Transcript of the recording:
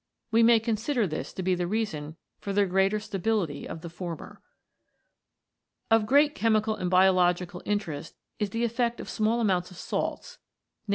We may con sider this to be the reason for the greater stability 29 CHEMICAL PHENOMENA IN LIFE of the former. Of great chemical and biological interest is the effect of small amounts of salts, i.e.